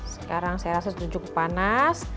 sekarang saya rasa sudah cukup panas